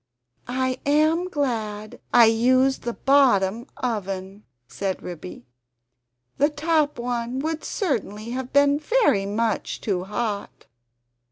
"I am glad I used the BOTTOM oven," said Ribby, "the top one would certainly have been very much too hot."